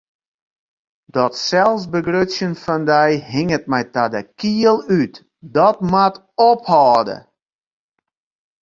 Dat selsbegrutsjen fan dy hinget my ta de kiel út, dat moat ophâlde!